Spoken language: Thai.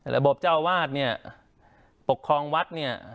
เจ้าวาดเนี่ยปกครองวัดเนี่ย